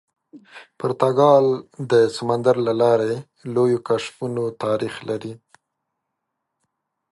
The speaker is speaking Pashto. پرتګال د سمندر له لارې لویو کشفونو تاریخ لري.